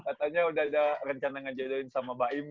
katanya udah ada rencana ngejodohin sama mbak im ga